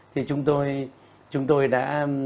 thì chúng tôi đã